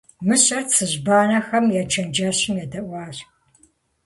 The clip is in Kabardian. Мыщэр цыжьбанэхэм я чэнджэщым едэӀуащ.